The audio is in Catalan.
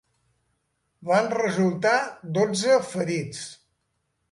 Van resultar dotze ferits.